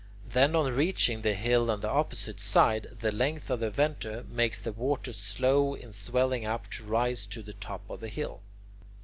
Then, on reaching the hill on the opposite side, the length of the venter makes the water slow in swelling up to rise to the top of the hill.